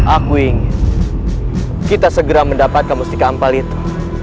aku ingin kita segera mendapatkan musik ampal itu